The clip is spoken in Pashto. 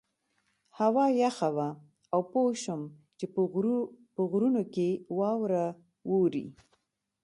هوا یخه وه او پوه شوم چې په غرونو کې واوره وورې.